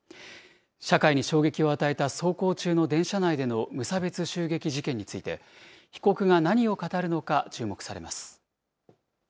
社会に衝撃を与えた走行中の電車内での無差別襲撃事件について、被告が何を語るのか注目されます。